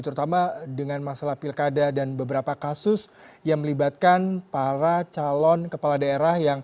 terutama dengan masalah pilkada dan beberapa kasus yang melibatkan para calon kepala daerah yang